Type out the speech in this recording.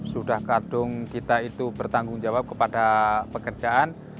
sudah kadung kita itu bertanggung jawab kepada pekerjaan